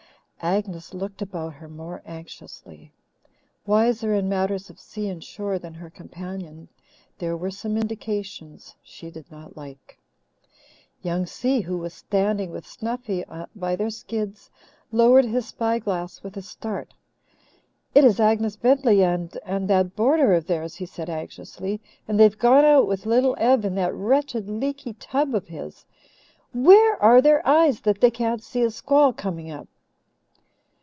Agnes looked about her more anxiously. Wiser in matters of sea and shore than her companion, there were some indications she did not like. Young Si, who was standing with Snuffy their skids, lowered his spyglass with a start. "It is Agnes Bentley and and that boarder of theirs," he said anxiously, "and they've gone out with Little Ev in that wretched, leaky tub of his. Where are their eyes that they can't see a squall coming up?"